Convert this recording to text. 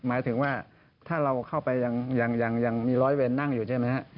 ก็จะเข้าไปอย่างมีร้อยเวลนั่งอยู่ใช่ไหมฮะ